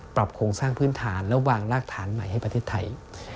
โครงสร้างพื้นฐานและวางรากฐานใหม่ให้ประเทศไทย